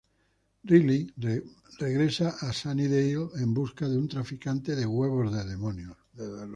Riley regresa a Sunnydale en busca de un traficante de huevos de demonios.